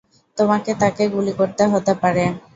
তোমাকে তাকে গুলি করতে হতে পারে।